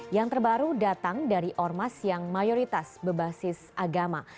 yang terbaru datang dari ormas yang mayoritas berbasis agama